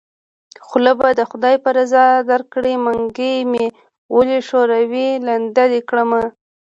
خوله به د خدای په رضا درکړم منګۍ مې ولی ښوروی لنده دې کړمه